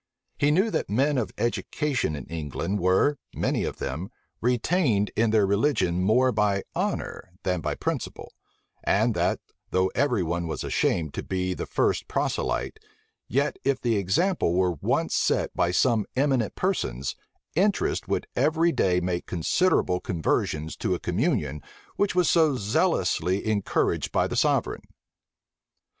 He knew that men of education in England were, many of them, retained in their religion more by honor than by principle;[] and that, though every one was ashamed to be the first proselyte, yet if the example were once set by some eminent persons, interest would every day make considerable conversions to a communion which was so zealously encouraged by the sovereign.